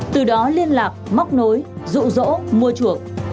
từ đó liên lạc móc nối rụ rỗ mua chuộc